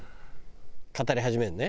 語り始めるね。